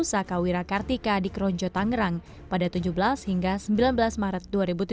saka wira kartika di kronjo tangerang pada tujuh belas hingga sembilan belas maret dua ribu tujuh belas